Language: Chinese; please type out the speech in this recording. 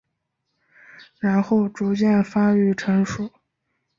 然后逐渐发育成熟。